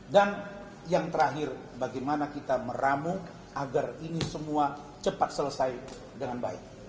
dan yang terakhir bagaimana kita meramu agar ini semua cepat selesai dengan baik